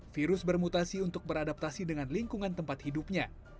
virus bermutasi untuk beradaptasi dengan lingkungan tempat hidupnya